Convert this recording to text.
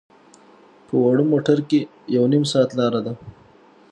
په وړې موټر کې یو نیم ساعت لاره ده.